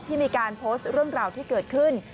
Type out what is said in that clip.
มีการโพสต์เรื่องราวที่เกิดขึ้น